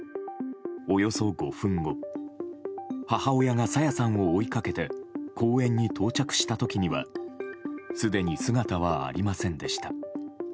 およそ５分後母親が朝芽さんを追いかけて公園に到着した時にはすでに姿はありませんでした。